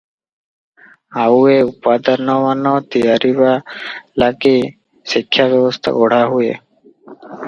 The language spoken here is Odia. ଆଉ ଏ ଉପାଦାନମାନ ତିଆରିବା ଲାଗି ଶିକ୍ଷା ବ୍ୟବସ୍ଥା ଗଢ଼ାହୁଏ ।